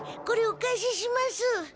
これお返しします。